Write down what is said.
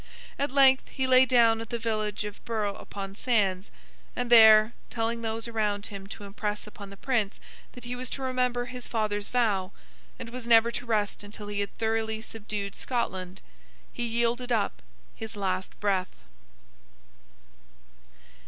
At length, he lay down at the village of Burgh upon Sands; and there, telling those around him to impress upon the Prince that he was to remember his father's vow, and was never to rest until he had thoroughly subdued Scotland, he yielded up his last breath.